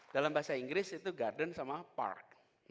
dalam bahasa inggris itu garden sama park